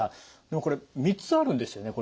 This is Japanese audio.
でもこれ３つあるんですよね？